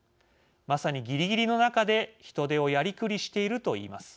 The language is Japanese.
まさに「ぎりぎりの中で人手をやりくりしている」と言います。